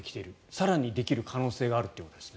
更にできる可能性があるということですね。